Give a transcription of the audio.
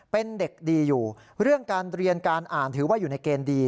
เป็นเด็กดีอยู่เรื่องการเรียนการอ่านถือว่าอยู่ในเกณฑ์ดี